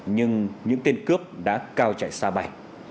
nhưng những tên cướp đã cao chạy xa bày